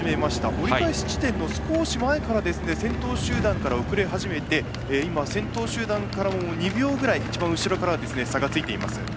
折り返し地点の少し前から先頭集団から遅れ始めて、今、先頭集団からも２秒ぐらい、一番後ろからは差がついています。